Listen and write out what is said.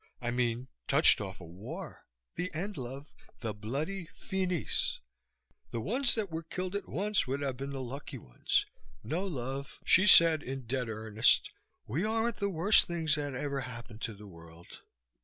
I mean, touched off a war. The end, love. The bloody finis. The ones that were killed at once would have been the lucky ones. No, love," she said, in dead earnest, "we aren't the worst things that ever happened to the world.